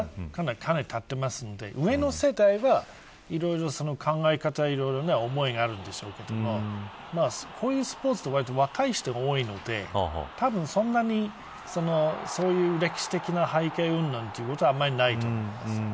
かなり、たっていますので上の世代はいろいろ考え方思いがあるんでしょうけれどこういうスポーツはわりと若い人が多いのでたぶん、そんなに歴史的な背景うんぬんということは、あんまりないと思いますけどね。